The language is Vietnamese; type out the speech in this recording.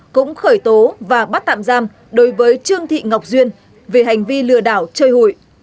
cũng khởi tố và bắt tạm giam đối với trương thị ngọc duyên về hành vi lừa đảo chơi hụi